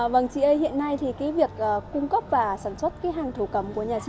vâng chị ơi hiện nay thì việc cung cấp và sản xuất hàng thổ cầm của nhà chị